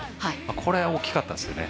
これは大きかったですね。